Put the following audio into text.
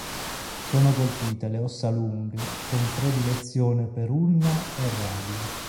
Sono colpite le ossa lunghe con predilezione per ulna e radio.